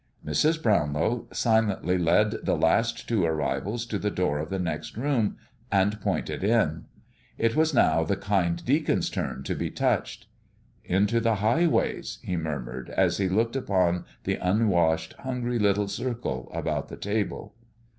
Mr. Brownlow silently led the last two arrivals to the door of the next room, and pointed in. It was now the kind deacon's turn to be touched. "'Into the highways'!" he murmured, as he looked upon the unwashed, hungry little circle about the table.